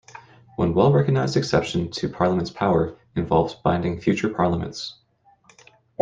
One well-recognised exception to Parliament's power involves binding future Parliaments.